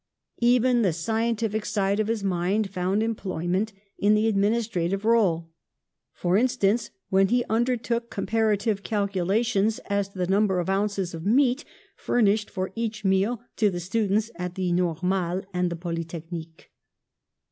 Even the scientific side of his mind found employment in his administrative role: for instance, when he undertook comparative calculations as to the number of ounces of meat furnished for each meal to the students at the Normale and the Poly technique